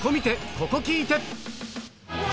ここ聴いて！